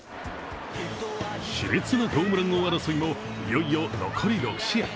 しれつなホームラン王争いもいよいよ残り６試合。